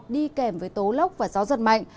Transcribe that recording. đi kèm với tố lốc và gió giật mạnh